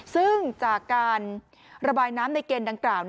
ซึ่งจากการระบายน้ำในเกณฑ์ดังกล่าว